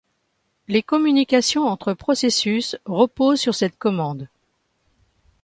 Les communications entre processus reposent sur cette commande.